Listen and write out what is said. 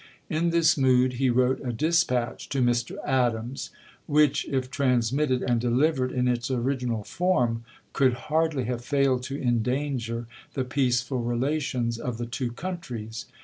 In this mood he wi'ote a dispatch to Mr. Adams, which, if transmitted and delivered in its original form, could hardly have failed to en danger the peaceful relations of the two countries.